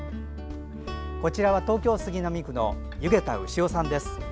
こちらは東京・杉並区の弓削田潮さんです。